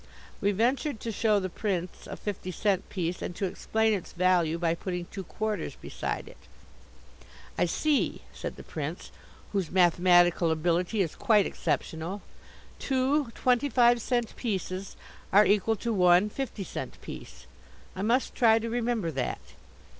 We ventured to show the Prince a fifty cent piece and to explain its value by putting two quarters beside it. "I see," said the Prince, whose mathematical ability is quite exceptional, "two twenty five cent pieces are equal to one fifty cent piece. I must try to remember that.